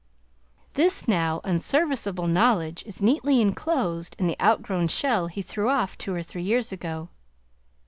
This now unserviceable knowledge is neatly inclosed in the outgrown shell he threw off two or three years ago.